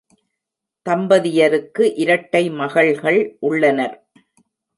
தம்பதியருக்கு இரட்டை மகள்கள் உள்ளனர்.